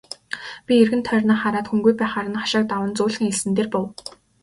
Би эргэн тойрноо хараад хүнгүй байхаар нь хашааг даван зөөлхөн элсэн дээр буув.